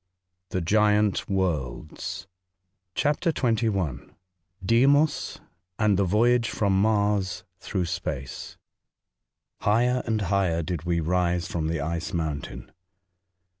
— THE GIANT WORLDS. CHAPTEH I. DEIMOS, AND THE VOYAGE FEOM MAES THEOUGH SPACE. HIGHER and higher did we rise from the Ice Mountain.